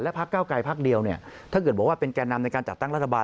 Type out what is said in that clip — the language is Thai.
พักเก้าไกลพักเดียวเนี่ยถ้าเกิดบอกว่าเป็นแก่นำในการจัดตั้งรัฐบาล